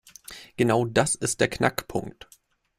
Genau das ist der Knackpunkt.